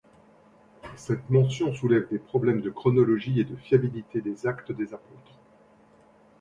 Cette mention soulève des problèmes de chronologie et de fiabilité des Actes des Apôtres.